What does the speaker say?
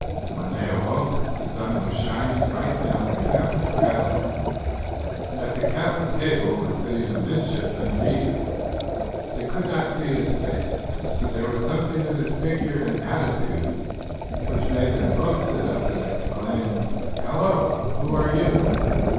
When they awoke the sun was shining right down the cabin skylight. At the cabin table was sitting a midshipman reading. They could not see his face, but there was something in his figure and attitude which made them both sit up and exclaim, "Hallo! who are you?"